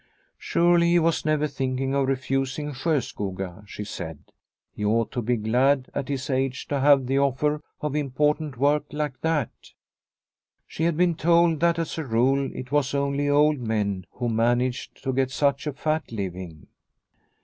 Surely he was never thinking of refusing Sjoskoga ? she said. He ought to be glad at his age to have the offer of important work like that. She had been told that as a rule it was only old men who managed to get such a fat living